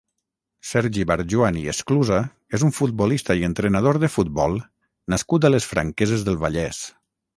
Sergi Barjuan i Esclusa és un futbolista i entrenador de futbol nascut a les Franqueses del Vallès.